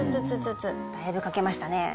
だいぶかけましたね。